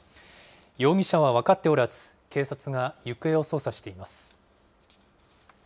容疑者は分かっておらず、警察が行方を捜査しています。